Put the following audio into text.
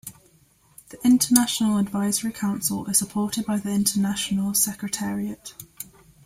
The International Advisory Council is supported by the International Secretariat.